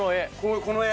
この絵。